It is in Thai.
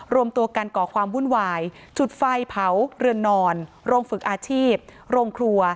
รวมตัวกันก่อความวุ่นวายจุดไฟเผาเรือนนอนโรงฝึกอาชีพโรงครัว